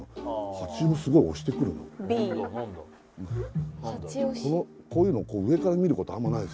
蜂をすごい推してくるなあっ